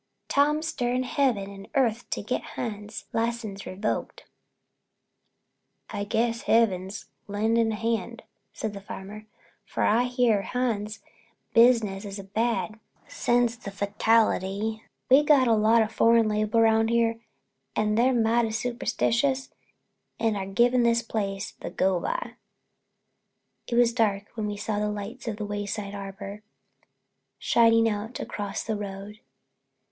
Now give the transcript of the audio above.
Tom's stirring Heaven and earth to get Hines' license revoked." "I guess Heaven's lending a hand," said the farmer, "for I hear Hines' business is bad since the fatality. We've a lot of foreign labor round here and they're mighty superstitious and are giving his place the go by." It was dark when we saw the lights of the Wayside Arbor, shining out across the road.